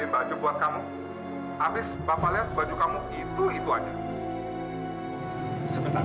enak juga nih pak pesen bubur pake kerupuk